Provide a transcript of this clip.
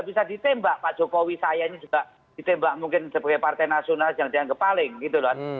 bisa ditembak pak jokowi sayanya juga ditembak mungkin sebagai partai nasionalis yang dia ngepaling gitu loh